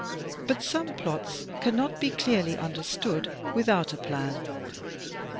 But some plots cannot be clearly imderstood without a plan.